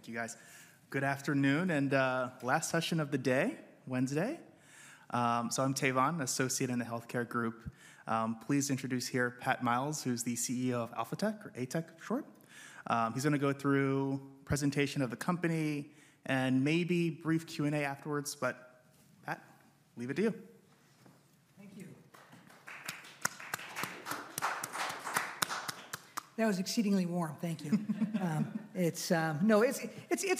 Thank you, guys. Good afternoon, and last session of the day, Wednesday. So I'm Teavon, associate in the healthcare group. Please introduce here Pat Miles, who's the CEO of Alphatec, or ATEC for short. He's going to go through a presentation of the company and maybe a brief Q&A afterwards, but Pat, leave it to you. Thank you. That was exceedingly warm, thank you. It's a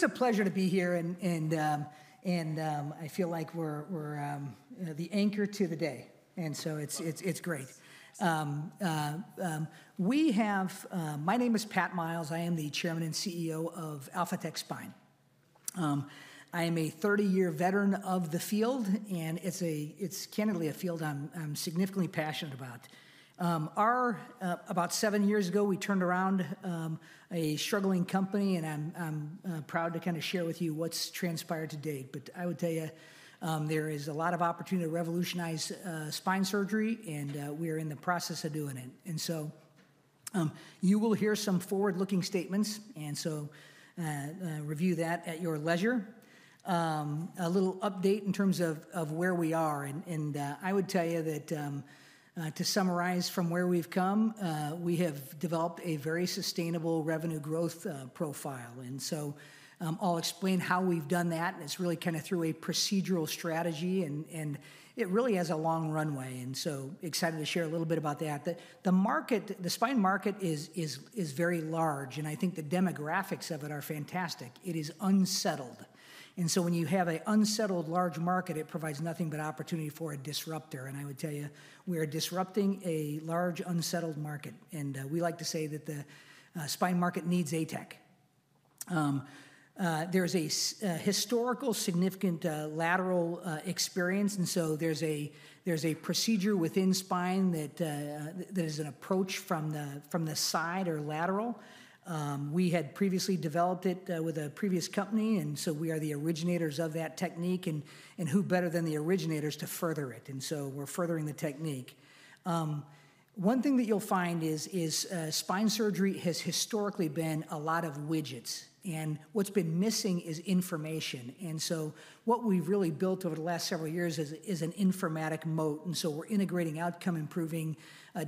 pleasure to be here, and I feel like we're the anchor to the day, and so it's great. My name is Pat Miles. I am the Chairman and CEO of Alphatec Spine. I am a 30-year veteran of the field, and it's candidly a field I'm significantly passionate about. About seven years ago, we turned around a struggling company, and I'm proud to kind of share with you what's transpired to date, but I would tell you, there is a lot of opportunity to revolutionize spine surgery, and we are in the process of doing it, and so you will hear some forward-looking statements, and so review that at your leisure. A little update in terms of where we are, and I would tell you that to summarize from where we've come, we have developed a very sustainable revenue growth profile. I'll explain how we've done that, and it's really kind of through a procedural strategy, and it really has a long runway. I'm excited to share a little bit about that. The spine market is very large, and I think the demographics of it are fantastic. It is unsettled. When you have an unsettled large market, it provides nothing but opportunity for a disruptor. I would tell you, we are disrupting a large unsettled market, and we like to say that the spine market needs ATEC. There is a historical significant lateral experience, and so there's a procedure within spine that is an approach from the side or lateral. We had previously developed it with a previous company, and so we are the originators of that technique, and who better than the originators to further it? We're furthering the technique. One thing that you'll find is spine surgery has historically been a lot of widgets, and what's been missing is information. And so what we've really built over the last several years is an informatic moat, and so we're integrating outcome-improving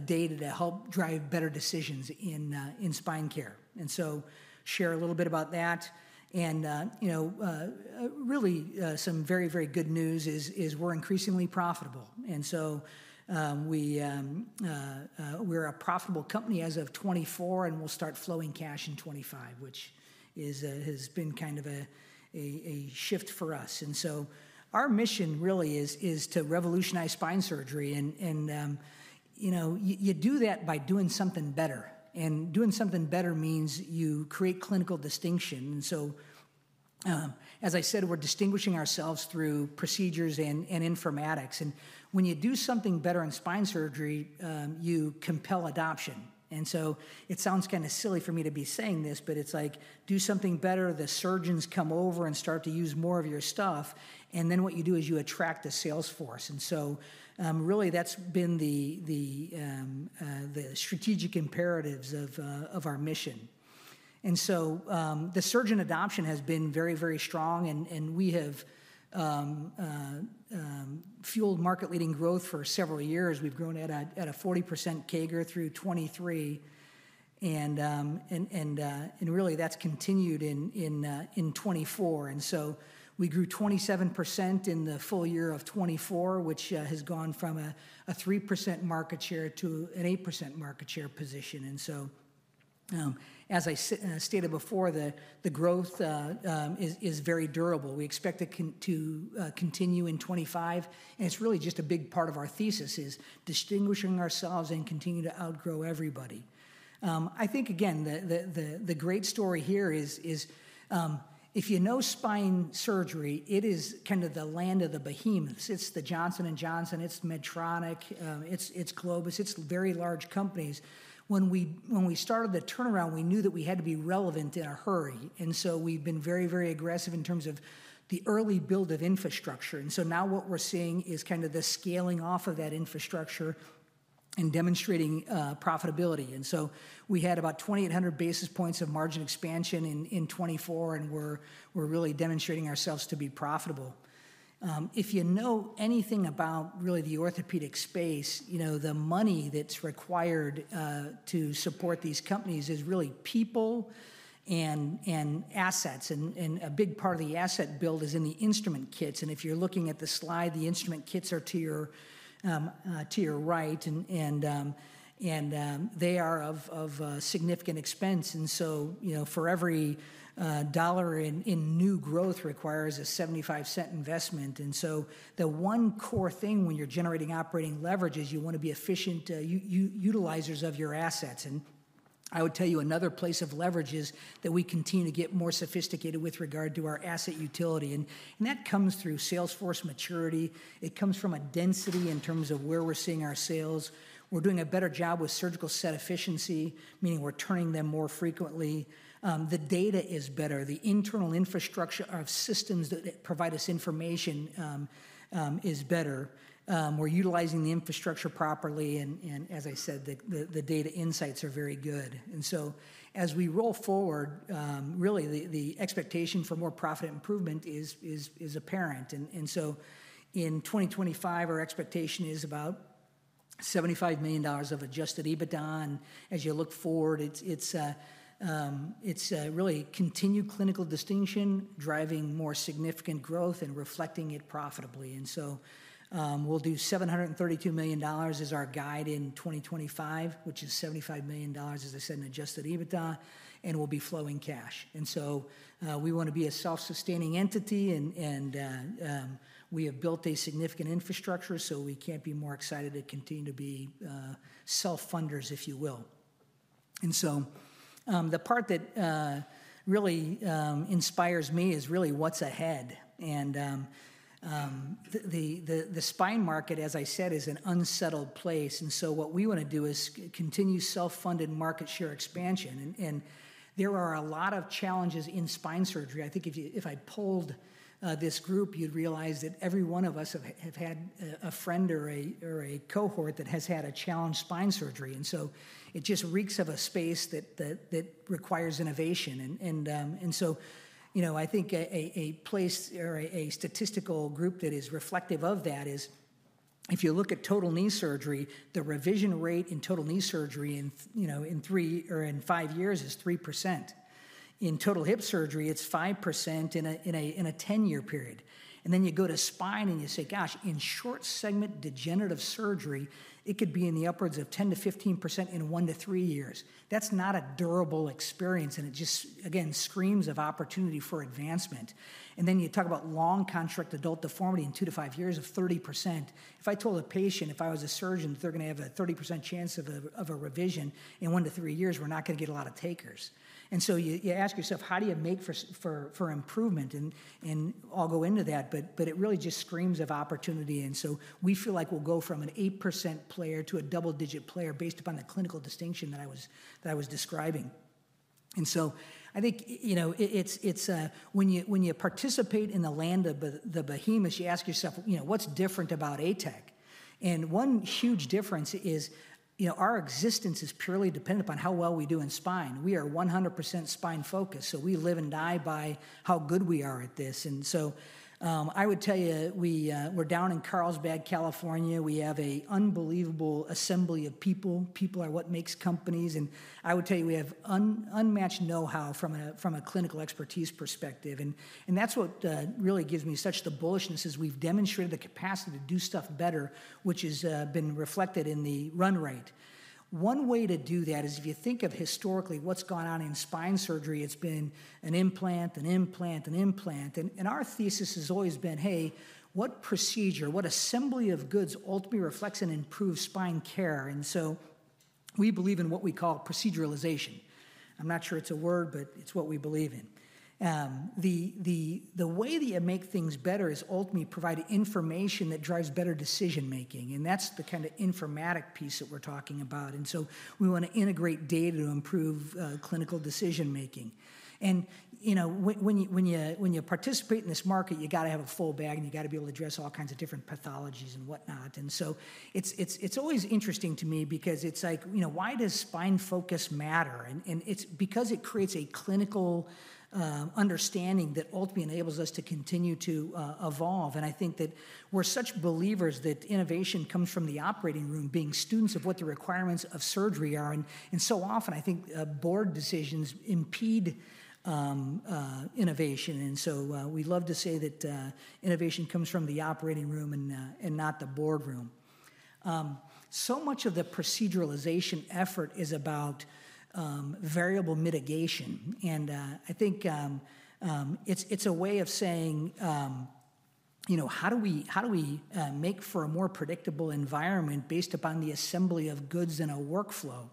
data to help drive better decisions in spine care. And so share a little bit about that. And really some very, very good news is we're increasingly profitable. And so we're a profitable company as of 2024, and we'll start flowing cash in 2025, which has been kind of a shift for us. And so our mission really is to revolutionize spine surgery, and you do that by doing something better. And doing something better means you create clinical distinction. And so, as I said, we're distinguishing ourselves through procedures and informatics. And when you do something better in spine surgery, you compel adoption. And so it sounds kind of silly for me to be saying this, but it's like do something better, the surgeons come over and start to use more of your stuff, and then what you do is you attract a sales force. And so really that's been the strategic imperatives of our mission. And so the surgeon adoption has been very, very strong, and we have fueled market-leading growth for several years. We've grown at a 40% CAGR through 2023, and really that's continued in 2024. And so we grew 27% in the full year of 2024, which has gone from a 3% market share to an 8% market share position. And so, as I stated before, the growth is very durable. We expect it to continue in 2025, and it's really just a big part of our thesis is distinguishing ourselves and continue to outgrow everybody. I think, again, the great story here is if you know spine surgery, it is kind of the land of the behemoths. It's the Johnson & Johnson, it's Medtronic, it's Globus, it's very large companies. When we started the turnaround, we knew that we had to be relevant in a hurry, and so we've been very, very aggressive in terms of the early build of infrastructure. And so now what we're seeing is kind of the scaling off of that infrastructure and demonstrating profitability. And so we had about 2,800 basis points of margin expansion in 2024, and we're really demonstrating ourselves to be profitable. If you know anything about really the orthopedic space, the money that's required to support these companies is really people and assets, and a big part of the asset build is in the instrument kits. And if you're looking at the slide, the instrument kits are to your right, and they are of significant expense. And so for every $1 in new growth requires a $0.75 investment. And so the one core thing when you're generating operating leverage is you want to be efficient utilizers of your assets. And I would tell you another place of leverage is that we continue to get more sophisticated with regard to our asset utility, and that comes through sales force maturity. It comes from a density in terms of where we're seeing our sales. We're doing a better job with surgical set efficiency, meaning we're turning them more frequently. The data is better. The internal infrastructure of systems that provide us information is better. We're utilizing the infrastructure properly, and as I said, the data insights are very good. And so as we roll forward, really the expectation for more profit improvement is apparent. And so in 2025, our expectation is about $75 million of Adjusted EBITDA. And as you look forward, it's really continued clinical distinction driving more significant growth and reflecting it profitably. And so we'll do $732 million as our guide in 2025, which is $75 million, as I said, in Adjusted EBITDA, and we'll be flowing cash. And so we want to be a self-sustaining entity, and we have built a significant infrastructure, so we can't be more excited to continue to be self-funders, if you will. And so the part that really inspires me is really what's ahead. And the spine market, as I said, is an unsettled place, and so what we want to do is continue self-funded market share expansion. And there are a lot of challenges in spine surgery. I think if I polled this group, you'd realize that every one of us have had a friend or a cohort that has had a challenging spine surgery. And so it just reeks of a space that requires innovation. And so I think a place or a statistical group that is reflective of that is if you look at total knee surgery, the revision rate in total knee surgery in three or in five years is 3%. In total hip surgery, it's 5% in a 10-year period. And then you go to spine and you say, "Gosh, in short-segment degenerative surgery, it could be in the upwards of 10%-15% in one to three years." That's not a durable experience, and it just, again, screams of opportunity for advancement. And then you talk about long construct adult deformity in two to five years of 30%. If I told a patient, if I was a surgeon, that they're going to have a 30% chance of a revision in one to three years, we're not going to get a lot of takers. And so you ask yourself, how do you make for improvement? And I'll go into that, but it really just screams of opportunity. And so we feel like we'll go from an 8% player to a double-digit player based upon the clinical distinction that I was describing. And so I think when you participate in the land of the behemoths, you ask yourself, "What's different about ATEC?" And one huge difference is our existence is purely dependent upon how well we do in spine. We are 100% spine-focused, so we live and die by how good we are at this. And so I would tell you, we're down in Carlsbad, California. We have an unbelievable assembly of people. People are what makes companies, and I would tell you we have unmatched know-how from a clinical expertise perspective, and that's what really gives me such the bullishness is we've demonstrated the capacity to do stuff better, which has been reflected in the run rate. One way to do that is if you think of historically what's gone on in spine surgery, it's been an implant, an implant, an implant, and our thesis has always been, "Hey, what procedure, what assembly of goods ultimately reflects and improves spine care?", and so we believe in what we call proceduralization. I'm not sure it's a word, but it's what we believe in. The way that you make things better is ultimately providing information that drives better decision-making, and that's the kind of informatic piece that we're talking about. And so we want to integrate data to improve clinical decision-making. And when you participate in this market, you got to have a full bag, and you got to be able to address all kinds of different pathologies and whatnot. And so it's always interesting to me because it's like, "Why does spine focus matter?" And it's because it creates a clinical understanding that ultimately enables us to continue to evolve. And I think that we're such believers that innovation comes from the operating room, being students of what the requirements of surgery are. And so often, I think board decisions impede innovation. And so we love to say that innovation comes from the operating room and not the boardroom. So much of the proceduralization effort is about variable mitigation, and I think it's a way of saying, "How do we make for a more predictable environment based upon the assembly of goods in a workflow?"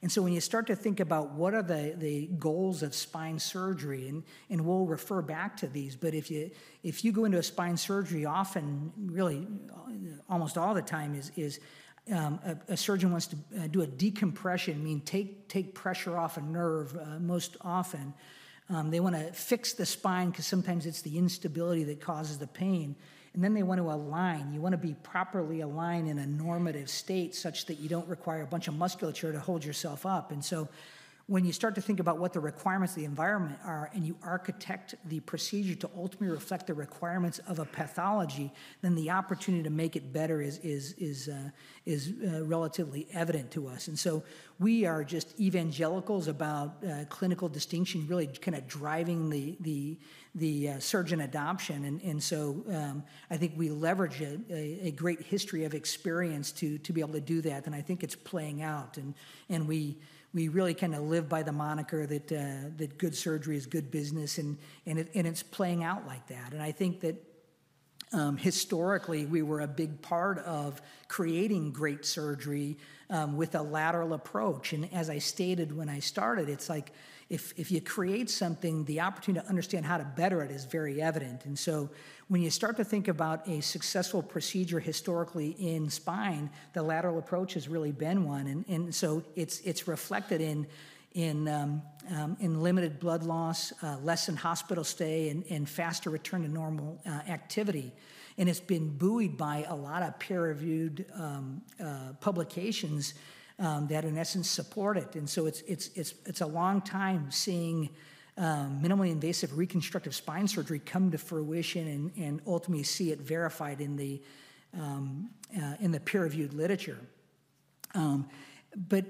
And so when you start to think about what are the goals of spine surgery, and we'll refer back to these, but if you go into a spine surgery, often, really almost all the time, is a surgeon wants to do a decompression, meaning take pressure off a nerve most often. They want to fix the spine because sometimes it's the instability that causes the pain. And then they want to align. You want to be properly aligned in a normative state such that you don't require a bunch of musculature to hold yourself up. And so when you start to think about what the requirements of the environment are and you architect the procedure to ultimately reflect the requirements of a pathology, then the opportunity to make it better is relatively evident to us. And so we are just evangelicals about clinical distinction really kind of driving the surgeon adoption. And so I think we leverage a great history of experience to be able to do that, and I think it's playing out. And we really kind of live by the moniker that good surgery is good business, and it's playing out like that. And I think that historically we were a big part of creating great surgery with a lateral approach. And as I stated when I started, it's like if you create something, the opportunity to understand how to better it is very evident. And so when you start to think about a successful procedure historically in spine, the lateral approach has really been one. And so it's reflected in limited blood loss, lessened hospital stay, and faster return to normal activity. And it's been buoyed by a lot of peer-reviewed publications that in essence support it. And so it's a long time seeing minimally invasive reconstructive spine surgery come to fruition and ultimately see it verified in the peer-reviewed literature. But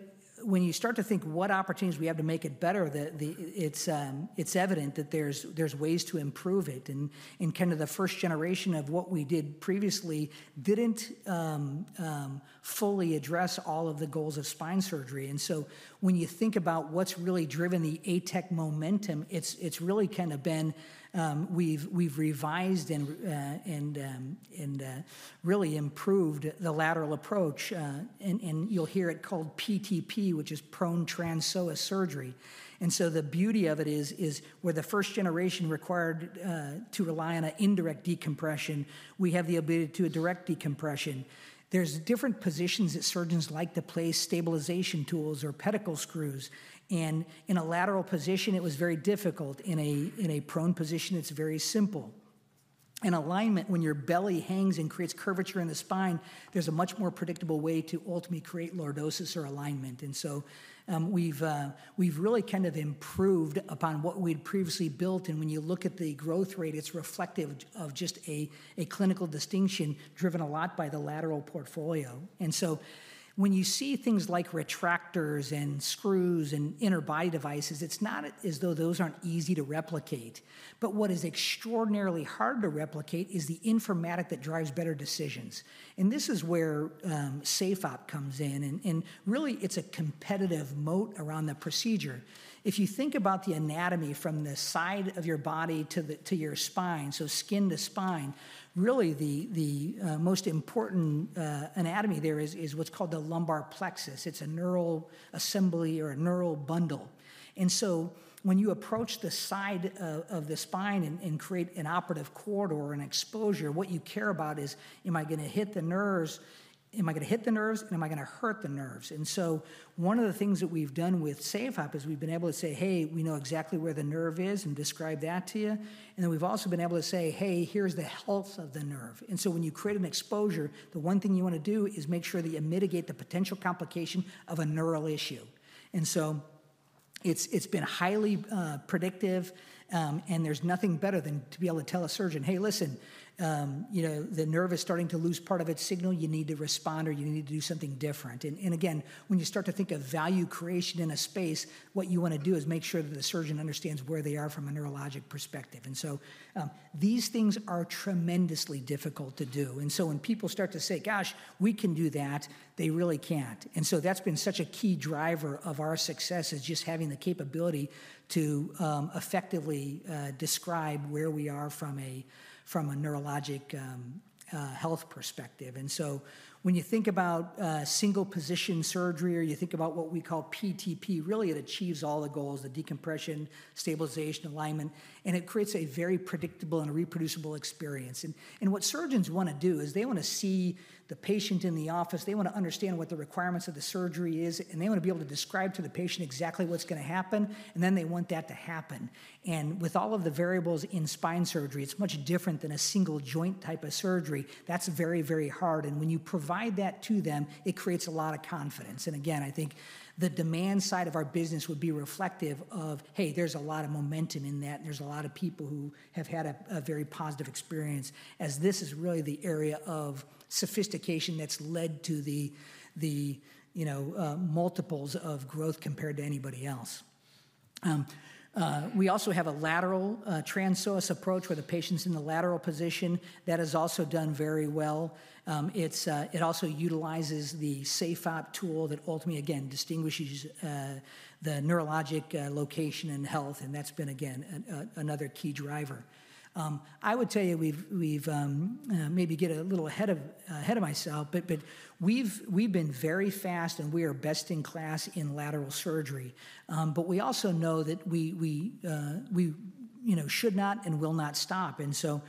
when you start to think what opportunities we have to make it better, it's evident that there's ways to improve it. And kind of the first generation of what we did previously didn't fully address all of the goals of spine surgery. And so when you think about what's really driven the ATEC momentum, it's really kind of been we've revised and really improved the lateral approach. And you'll hear it called PTP, which is prone transpsoas surgery. And so the beauty of it is where the first generation required to rely on an indirect decompression, we have the ability to do a direct decompression. There's different positions that surgeons like to place stabilization tools or pedicle screws. And in a lateral position, it was very difficult. In a prone position, it's very simple. In alignment, when your belly hangs and creates curvature in the spine, there's a much more predictable way to ultimately create lordosis or alignment. And so we've really kind of improved upon what we'd previously built. And when you look at the growth rate, it's reflective of just a clinical distinction driven a lot by the lateral portfolio. And so when you see things like retractors and screws and interbody devices, it's not as though those aren't easy to replicate. But what is extraordinarily hard to replicate is the informatic that drives better decisions. And this is where SafeOp comes in. And really, it's a competitive moat around the procedure. If you think about the anatomy from the side of your body to your spine, so skin to spine, really the most important anatomy there is what's called the lumbar plexus. It's a neural assembly or a neural bundle. And so when you approach the side of the spine and create an operative corridor or an exposure, what you care about is, "Am I going to hit the nerves? Am I going to hit the nerves? And am I going to hurt the nerves?" And so one of the things that we've done with SafeOp is we've been able to say, "Hey, we know exactly where the nerve is and describe that to you." And then we've also been able to say, "Hey, here's the health of the nerve." And so when you create an exposure, the one thing you want to do is make sure that you mitigate the potential complication of a neural issue. And so it's been highly predictive, and there's nothing better than to be able to tell a surgeon, "Hey, listen, the nerve is starting to lose part of its signal. You need to respond or you need to do something different." And again, when you start to think of value creation in a space, what you want to do is make sure that the surgeon understands where they are from a neurologic perspective. And so these things are tremendously difficult to do. And so when people start to say, "Gosh, we can do that," they really can't. And so that's been such a key driver of our success is just having the capability to effectively describe where we are from a neurologic health perspective. And so when you think about single-position surgery or you think about what we call PTP, really it achieves all the goals: the decompression, stabilization, alignment, and it creates a very predictable and reproducible experience. And what surgeons want to do is they want to see the patient in the office. They want to understand what the requirements of the surgery is, and they want to be able to describe to the patient exactly what's going to happen, and then they want that to happen. And with all of the variables in spine surgery, it's much different than a single joint type of surgery. That's very, very hard. And when you provide that to them, it creates a lot of confidence. And again, I think the demand side of our business would be reflective of, "Hey, there's a lot of momentum in that, and there's a lot of people who have had a very positive experience," as this is really the area of sophistication that's led to the multiples of growth compared to anybody else. We also have a lateral transpsoas approach where the patient's in the lateral position. That has also done very well. It also utilizes the SafeOp tool that ultimately, again, distinguishes the neurologic location and health, and that's been, again, another key driver. I would tell you we've maybe got a little ahead of myself, but we've been very fast, and we are best in class in lateral surgery, but we also know that we should not and will not stop, and so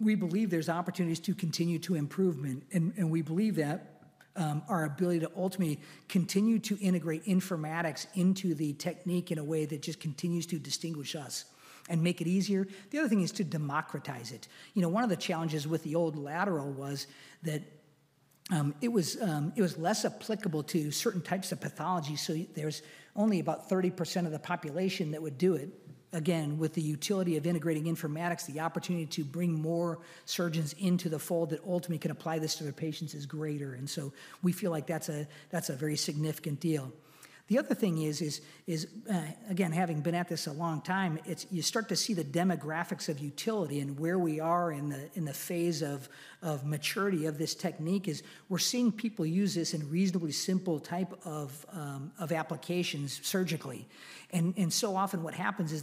we believe there's opportunities to continue to improvement, and we believe that our ability to ultimately continue to integrate informatics into the technique in a way that just continues to distinguish us and make it easier. The other thing is to democratize it. One of the challenges with the old lateral was that it was less applicable to certain types of pathology, so there's only about 30% of the population that would do it. Again, with the utility of integrating informatics, the opportunity to bring more surgeons into the fold that ultimately can apply this to their patients is greater, and so we feel like that's a very significant deal. The other thing is, again, having been at this a long time, you start to see the demographics of utility and where we are in the phase of maturity of this technique is we're seeing people use this in reasonably simple type of applications surgically, and so often what happens is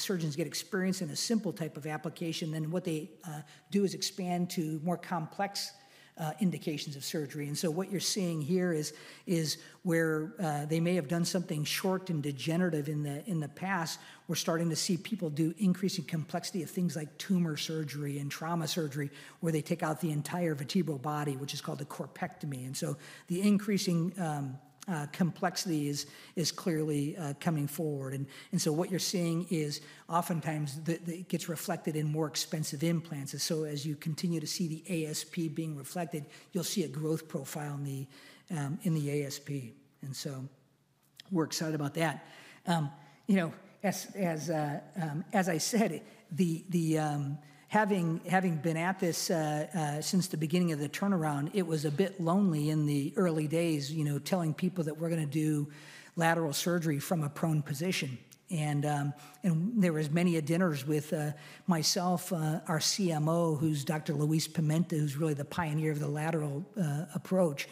surgeons get experience in a simple type of application, then what they do is expand to more complex indications of surgery. And so what you're seeing here is where they may have done something short and degenerative in the past, we're starting to see people do increasing complexity of things like tumor surgery and trauma surgery where they take out the entire vertebral body, which is called a corpectomy. And so the increasing complexity is clearly coming forward. And so what you're seeing is oftentimes it gets reflected in more expensive implants. And so as you continue to see the ASP being reflected, you'll see a growth profile in the ASP. And so we're excited about that. As I said, having been at this since the beginning of the turnaround, it was a bit lonely in the early days telling people that we're going to do lateral surgery from a prone position. And there were many dinners with myself, our CMO, who's Dr. Luis Pimenta, who's really the pioneer of the lateral approach.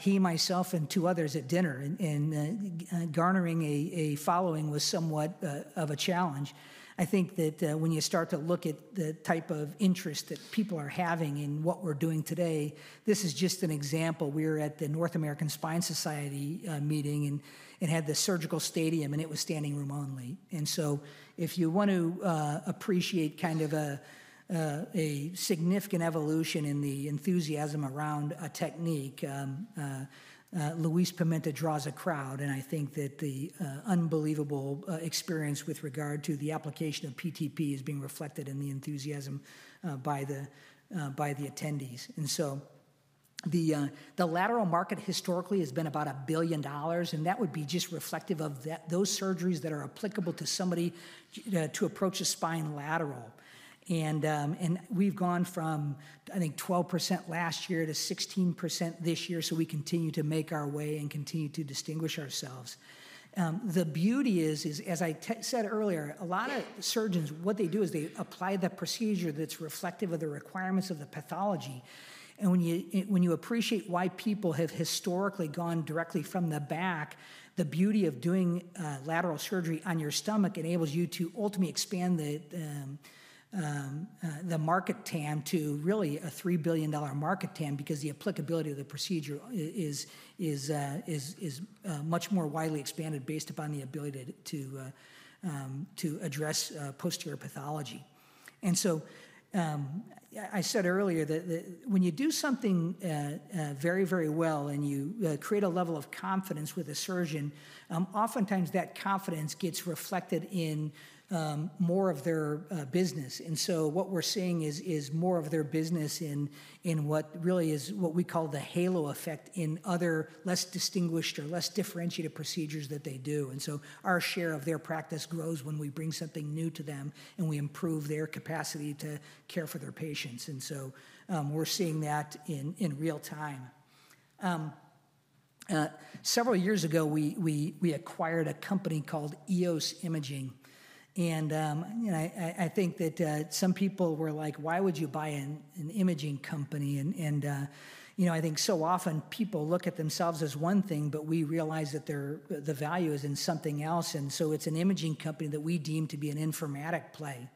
He, myself, and two others at dinner, and garnering a following was somewhat of a challenge. I think that when you start to look at the type of interest that people are having in what we're doing today, this is just an example. We were at the North American Spine Society meeting and had the surgical stadium, and it was standing room only, so if you want to appreciate kind of a significant evolution in the enthusiasm around a technique, Luiz Pimenta draws a crowd, and I think that the unbelievable experience with regard to the application of PTP is being reflected in the enthusiasm by the attendees, so the lateral market historically has been about $1 billion, and that would be just reflective of those surgeries that are applicable to somebody to approach a spine lateral. And we've gone from, I think, 12% last year to 16% this year, so we continue to make our way and continue to distinguish ourselves. The beauty is, as I said earlier, a lot of surgeons, what they do is they apply the procedure that's reflective of the requirements of the pathology. And when you appreciate why people have historically gone directly from the back, the beauty of doing lateral surgery on your stomach enables you to ultimately expand the market tam to really a $3 billion market tam because the applicability of the procedure is much more widely expanded based upon the ability to address posterior pathology. And so I said earlier that when you do something very, very well and you create a level of confidence with a surgeon, oftentimes that confidence gets reflected in more of their business. And so what we're seeing is more of their business in what really is what we call the halo effect in other less distinguished or less differentiated procedures that they do. And so our share of their practice grows when we bring something new to them and we improve their capacity to care for their patients. And so we're seeing that in real time. Several years ago, we acquired a company called EOS Imaging. And I think that some people were like, "Why would you buy an imaging company?" And I think so often people look at themselves as one thing, but we realize that the value is in something else. And so it's an imaging company that we deem to be an informatic play.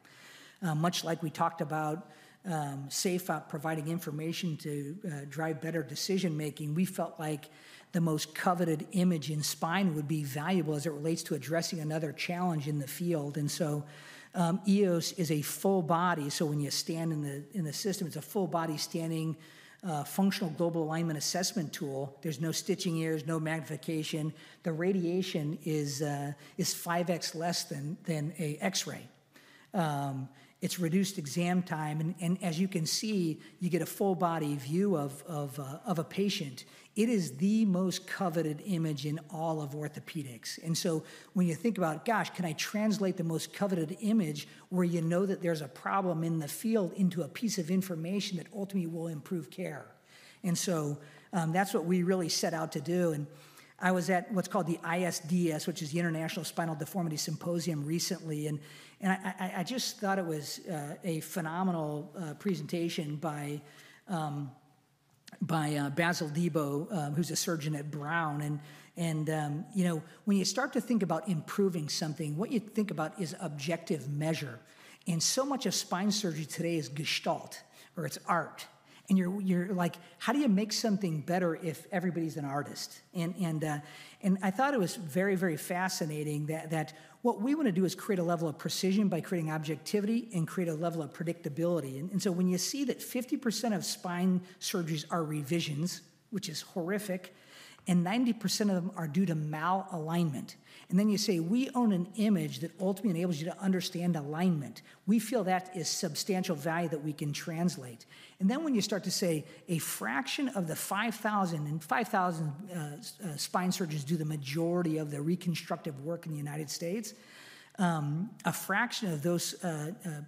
Much like we talked about SafeOp providing information to drive better decision-making, we felt like the most coveted image in spine would be valuable as it relates to addressing another challenge in the field. EOS is a full body. When you stand in the system, it's a full body standing functional global alignment assessment tool. There's no stitching errors, no magnification. The radiation is 5x less than an X-ray. It's reduced exam time. As you can see, you get a full body view of a patient. It is the most coveted image in all of orthopedics. When you think about, "Gosh, can I translate the most coveted image where you know that there's a problem in the field into a piece of information that ultimately will improve care?" That's what we really set out to do. And I was at what's called the ISDS, which is the International Spinal Deformity Symposium, recently. And I just thought it was a phenomenal presentation by Bassel Diebo, who's a surgeon at Brown. And when you start to think about improving something, what you think about is objective measure. And so much of spine surgery today is gestalt or it's art. And you're like, "How do you make something better if everybody's an artist?" And I thought it was very, very fascinating that what we want to do is create a level of precision by creating objectivity and create a level of predictability. And so when you see that 50% of spine surgeries are revisions, which is horrific, and 90% of them are due to malalignment, and then you say, "We own an image that ultimately enables you to understand alignment," we feel that is substantial value that we can translate. And then when you start to say a fraction of the 5,000 spine surgeons do the majority of the reconstructive work in the United States, a fraction of those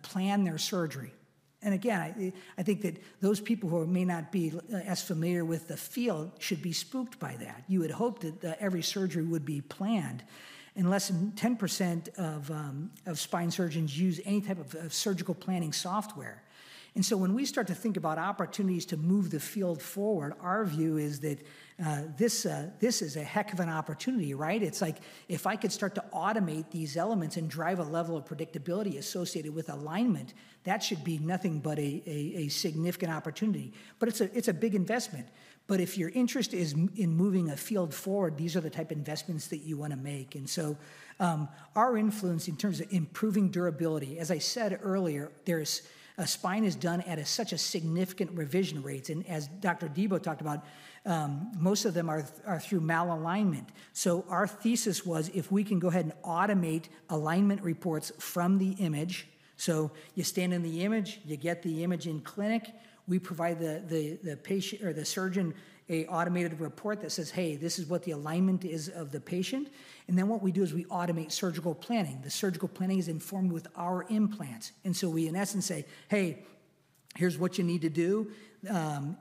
plan their surgery. And again, I think that those people who may not be as familiar with the field should be spooked by that. You would hope that every surgery would be planned and less than 10% of spine surgeons use any type of surgical planning software. And so when we start to think about opportunities to move the field forward, our view is that this is a heck of an opportunity, right? It's like if I could start to automate these elements and drive a level of predictability associated with alignment, that should be nothing but a significant opportunity. But it's a big investment. But if your interest is in moving a field forward, these are the type of investments that you want to make. And so our influence in terms of improving durability, as I said earlier, spine is done at such a significant revision rate. And as Dr. Diebo talked about, most of them are through malalignment. So our thesis was if we can go ahead and automate alignment reports from the image. So you stand in the image, you get the image in clinic, we provide the patient or the surgeon an automated report that says, "Hey, this is what the alignment is of the patient." And then what we do is we automate surgical planning. The surgical planning is informed with our implants, and so we, in essence, say, "Hey, here's what you need to do.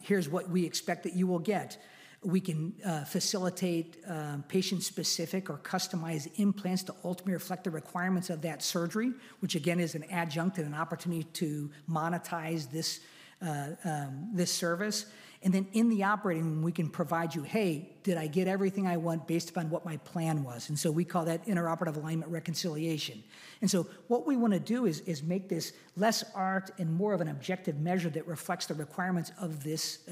Here's what we expect that you will get." We can facilitate patient-specific or customized implants to ultimately reflect the requirements of that surgery, which again is an adjunct and an opportunity to monetize this service, and then in the operating, we can provide you, "Hey, did I get everything I want based upon what my plan was?" and so we call that intraoperative alignment reconciliation, and so what we want to do is make this less art and more of an objective measure that reflects the requirements of this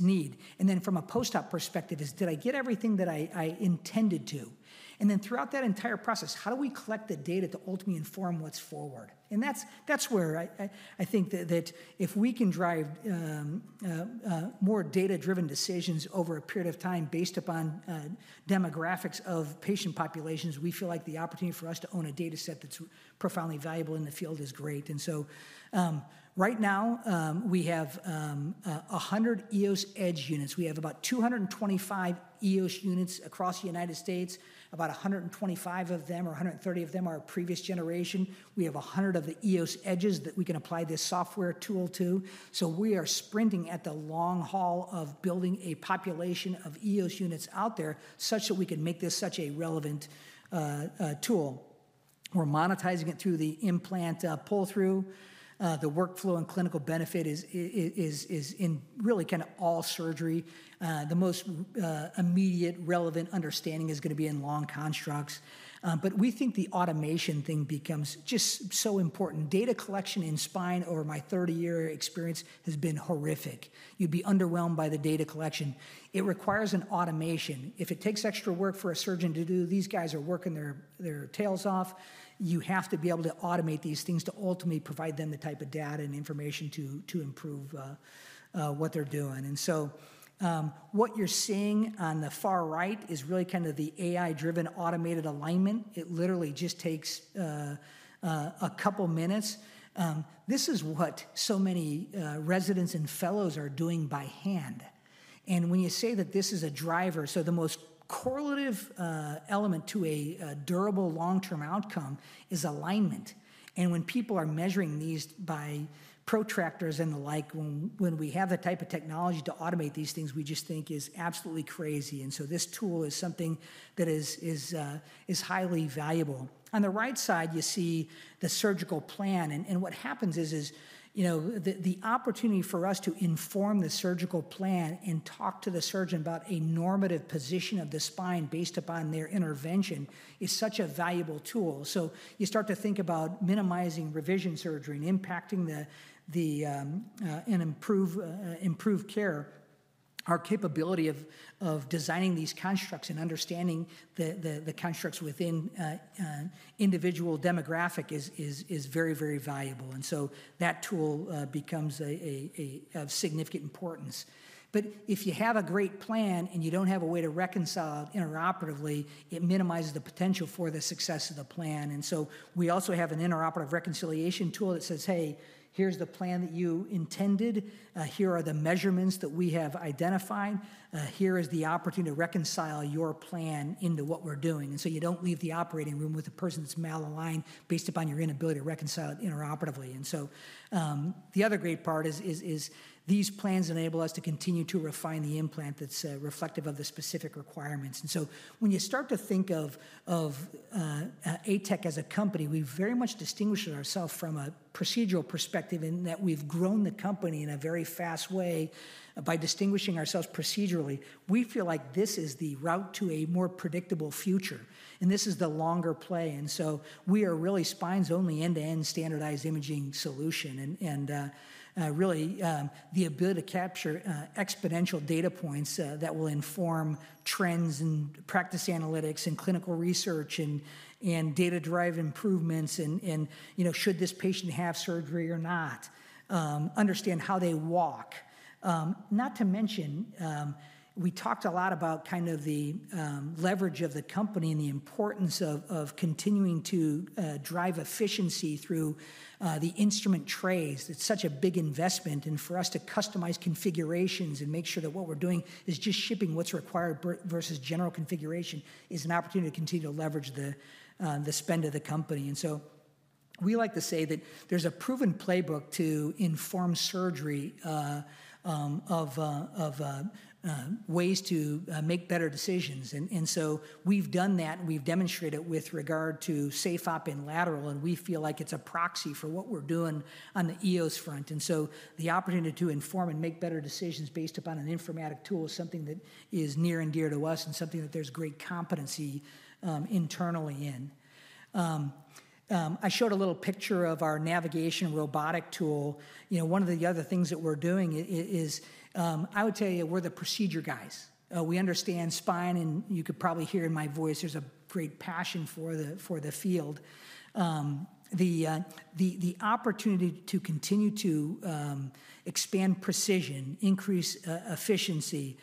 need, and then from a post-op perspective, did I get everything that I intended to? And then throughout that entire process, how do we collect the data to ultimately inform what's forward? That's where I think that if we can drive more data-driven decisions over a period of time based upon demographics of patient populations, we feel like the opportunity for us to own a dataset that's profoundly valuable in the field is great. So right now, we have 100 EOS Edge units. We have about 225 EOS units across the United States. About 125 of them or 130 of them are previous generation. We have 100 of the EOS Edges that we can apply this software tool to. So we are sprinting at the long haul of building a population of EOS units out there such that we can make this such a relevant tool. We're monetizing it through the implant pull-through. The workflow and clinical benefit is in really kind of all surgery. The most immediate relevant understanding is going to be in long constructs. But we think the automation thing becomes just so important. Data collection in spine, over my 30-year experience, has been horrific. You'd be underwhelmed by the data collection. It requires an automation. If it takes extra work for a surgeon to do, these guys are working their tails off. You have to be able to automate these things to ultimately provide them the type of data and information to improve what they're doing. And so what you're seeing on the far right is really kind of the AI-driven automated alignment. It literally just takes a couple of minutes. This is what so many residents and fellows are doing by hand. And when you say that this is a driver, so the most correlative element to a durable long-term outcome is alignment. And when people are measuring these by protractors and the like, when we have the type of technology to automate these things, we just think is absolutely crazy. And so this tool is something that is highly valuable. On the right side, you see the surgical plan. And what happens is the opportunity for us to inform the surgical plan and talk to the surgeon about a normative position of the spine based upon their intervention is such a valuable tool. So you start to think about minimizing revision surgery and impacting and improve care. Our capability of designing these constructs and understanding the constructs within individual demographics is very, very valuable. And so that tool becomes of significant importance. But if you have a great plan and you don't have a way to reconcile it intraoperatively, it minimizes the potential for the success of the plan. And so we also have an intraoperative reconciliation tool that says, "Hey, here's the plan that you intended. Here are the measurements that we have identified. Here is the opportunity to reconcile your plan into what we're doing." And so you don't leave the operating room with a person that's malaligned based upon your inability to reconcile it intraoperatively. And so the other great part is these plans enable us to continue to refine the implant that's reflective of the specific requirements. And so when you start to think of ATEC as a company, we very much distinguish ourselves from a procedural perspective in that we've grown the company in a very fast way by distinguishing ourselves procedurally. We feel like this is the route to a more predictable future. And this is the longer play. And so we are really spine's only end-to-end standardized imaging solution. Really, the ability to capture exponential data points that will inform trends and practice analytics and clinical research and data-driven improvements and should this patient have surgery or not, understand how they walk. Not to mention, we talked a lot about kind of the leverage of the company and the importance of continuing to drive efficiency through the instrument trays. It's such a big investment. For us to customize configurations and make sure that what we're doing is just shipping what's required versus general configuration is an opportunity to continue to leverage the spend of the company. We like to say that there's a proven playbook to inform surgery of ways to make better decisions. We've done that. We've demonstrated with regard to SafeOp in lateral, and we feel like it's a proxy for what we're doing on the EOS front. The opportunity to inform and make better decisions based upon an informatic tool is something that is near and dear to us and something that there's great competency internally in. I showed a little picture of our navigation robotic tool. One of the other things that we're doing is I would tell you we're the procedure guys. We understand spine, and you could probably hear in my voice there's a great passion for the field. The opportunity to continue to expand precision, increase efficiency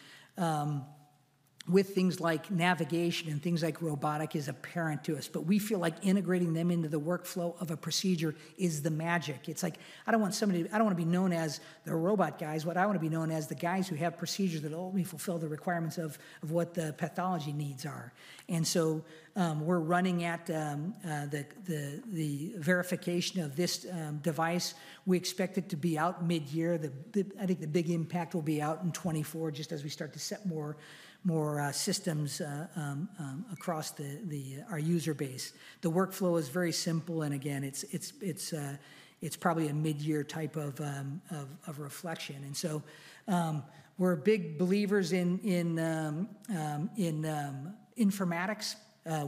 with things like navigation and things like robotic is apparent to us. We feel like integrating them into the workflow of a procedure is the magic. It's like, "I don't want to be known as the robot guys. What I want to be known as the guys who have procedures that only fulfill the requirements of what the pathology needs are." And so we're running at the verification of this device. We expect it to be out mid-year. I think the big impact will be out in 2024 just as we start to set more systems across our user base. The workflow is very simple. And again, it's probably a mid-year type of reflection. And so we're big believers in informatics.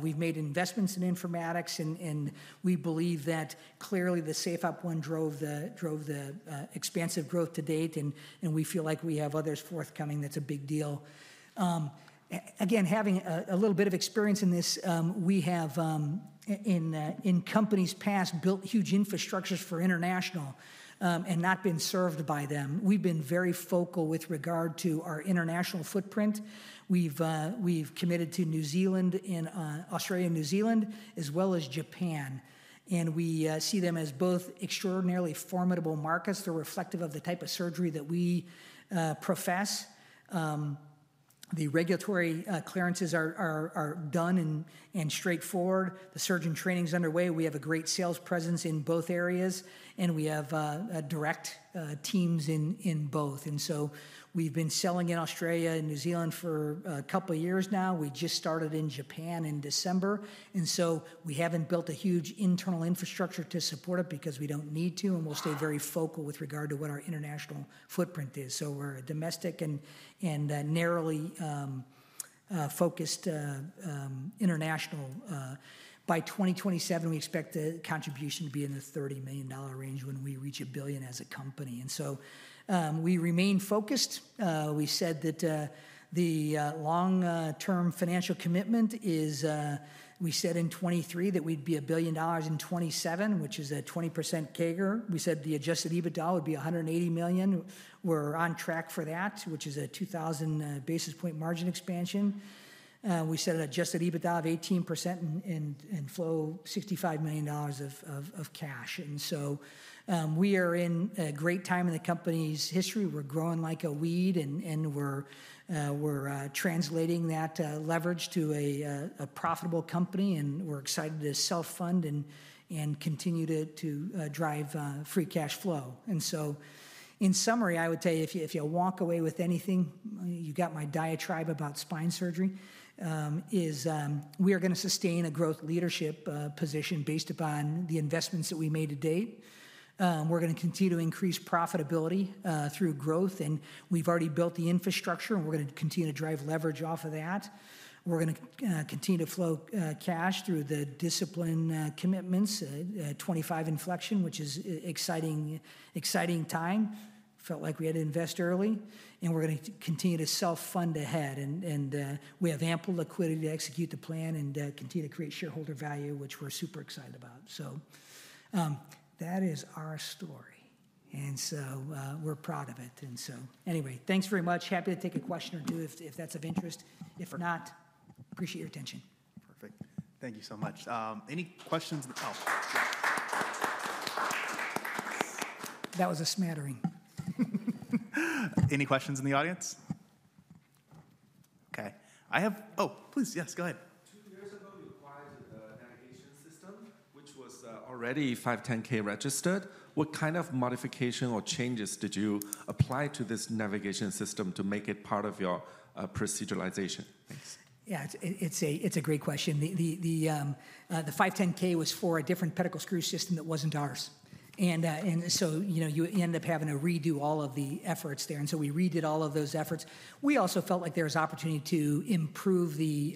We've made investments in informatics, and we believe that clearly the SafeOp one drove the expansive growth to date. And we feel like we have others forthcoming. That's a big deal. Again, having a little bit of experience in this, we have in companies past built huge infrastructures for international and not been served by them. We've been very focal with regard to our international footprint. We've committed to Australia and New Zealand as well as Japan, and we see them as both extraordinarily formidable markets. They're reflective of the type of surgery that we profess. The regulatory clearances are done and straightforward. The surgeon training is underway. We have a great sales presence in both areas, and we have direct teams in both, and so we've been selling in Australia and New Zealand for a couple of years now. We just started in Japan in December, and so we haven't built a huge internal infrastructure to support it because we don't need to, and we'll stay very focal with regard to what our international footprint is. We're a domestic and narrowly focused international. By 2027, we expect the contribution to be in the $30 million range when we reach $1 billion as a company, and so we remain focused. We said that the long-term financial commitment is. We said in 2023 that we'd be $1 billion in 2027, which is a 20% CAGR. We said the adjusted EBITDA would be $180 million. We're on track for that, which is a 2,000 basis point margin expansion. We said an adjusted EBITDA of 18% and flow $65 million of cash. We are in a great time in the company's history. We're growing like a weed, and we're translating that leverage to a profitable company. We're excited to self-fund and continue to drive free cash flow. In summary, I would tell you, if you walk away with anything, you got my diatribe about spine surgery, is we are going to sustain a growth leadership position based upon the investments that we made to date. We're going to continue to increase profitability through growth. And we've already built the infrastructure, and we're going to continue to drive leverage off of that. We're going to continue to flow cash through the discipline commitments, 25 inflection, which is an exciting time. Felt like we had to invest early. And we're going to continue to self-fund ahead. And we have ample liquidity to execute the plan and continue to create shareholder value, which we're super excited about. So that is our story. And so we're proud of it. And so anyway, thanks very much. Happy to take a question or two if that's of interest. If not, appreciate your attention. Perfect. Thank you so much. Any questions? That was a smattering. Any questions in the audience? Okay. I have, oh, please, yes, go ahead. Two years ago, we acquired the navigation system, which was already 510(k) registered. What kind of modification or changes did you apply to this navigation system to make it part of your proceduralization? Thanks. Yeah, it's a great question. The 510(k) was for a different pedicle screw system that wasn't ours. And so you end up having to redo all of the efforts there. And so we redid all of those efforts. We also felt like there was opportunity to improve the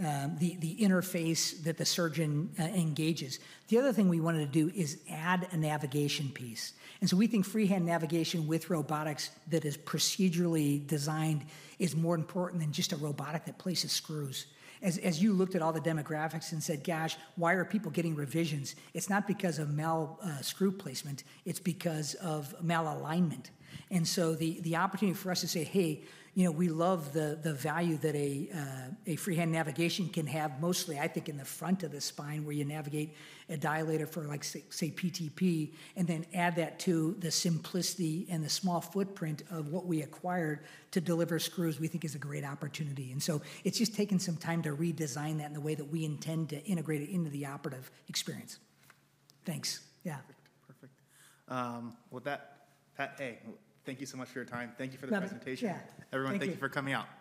interface that the surgeon engages. The other thing we wanted to do is add a navigation piece. And so we think freehand navigation with robotics that is procedurally designed is more important than just a robotic that places screws. As you looked at all the demographics and said, "Gosh, why are people getting revisions?" It's not because of mal screw placement. It's because of malalignment. And so the opportunity for us to say, "Hey, we love the value that a freehand navigation can have mostly, I think, in the front of the spine where you navigate a dilator for, say, PTP, and then add that to the simplicity and the small footprint of what we acquired to deliver screws," we think is a great opportunity. And so it's just taken some time to redesign that in the way that we intend to integrate it into the operative experience. Thanks. Yeah. Perfect. Perfect. Pat, thank you so much for your time. Thank you for the presentation. Thank you. Everyone, thank you for coming out.